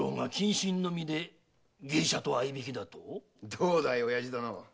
どうだい親父殿。